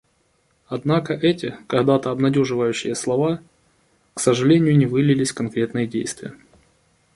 Однако эти когда-то обнадеживающие слова, к сожалению, не вылились в конкретные действия.